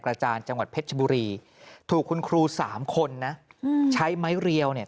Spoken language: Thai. จานจังหวัดเพชรชบุรีถูกคุณครูสามคนนะอืมใช้ไม้เรียวเนี่ย